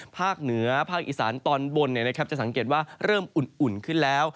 ภาคเหนือภาคอีสานตอนบนจะสังเกตว่าเริ่มอุ่นขึ้นแล้ว